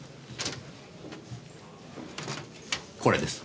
これです。